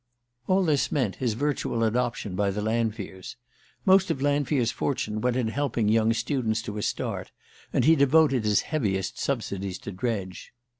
All this meant his virtual adoption by the Lanfears. Most of Lanfear's fortune went in helping young students to a start, and he devoted his heaviest subsidies to Dredge.